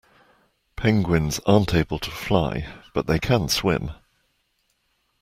Penguins aren't able to fly, but they can swim